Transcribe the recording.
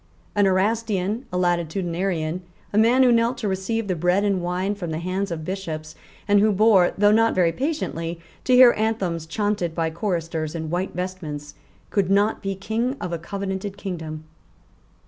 An Erastian, a latitudinarian, a man who knelt to receive the bread and wine from the hands of bishops, and who bore, though not very patiently, to hear anthems chaunted by choristers in white vestments, could not be King of a covenanted kingdom.